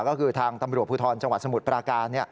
ก็คือทางตำรวจภูทรจังหวัดสมุทรปราการ